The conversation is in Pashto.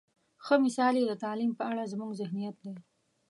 ښه مثال یې د تعلیم په اړه زموږ ذهنیت دی.